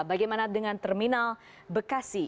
bagaimana dengan terminal bekasi